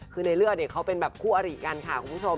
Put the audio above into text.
คือในเลือดเขาเป็นแบบคู่อริกันค่ะคุณผู้ชม